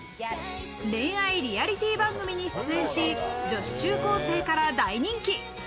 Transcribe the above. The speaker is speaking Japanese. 恋愛リアリティー番組に出演し、女子中高生から大人気。